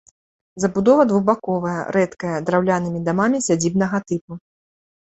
Забудова двухбаковая, рэдкая, драўлянымі дамамі сядзібнага тыпу.